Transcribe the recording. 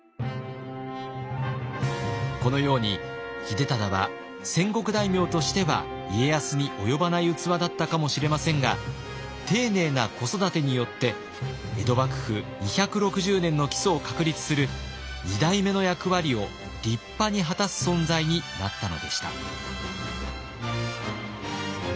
このように秀忠は戦国大名としては家康に及ばない器だったかもしれませんが丁寧な子育てによって江戸幕府２６０年の基礎を確立する二代目の役割を立派に果たす存在になったのでした。